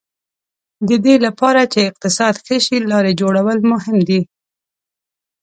د دې لپاره چې اقتصاد ښه شي لارې جوړول مهم دي.